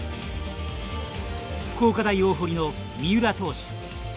福岡大大濠の三浦投手。